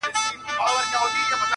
لار چي کله سي غلطه له سړیو-